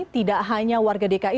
tidak hanya warga dki